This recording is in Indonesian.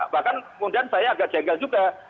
bahkan kemudian saya agak jengkel juga